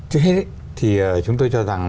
trước hết thì chúng tôi cho rằng